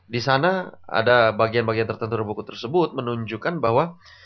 disana ada bagian bagian tertentu dari buku tersebut menunjukkan bahwa